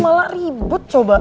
malah ribut coba